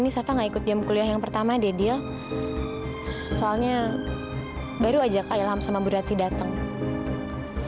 sampai jumpa di video selanjutnya